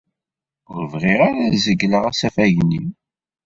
Ur bɣiɣ ara ad zegleɣ asafag-nni.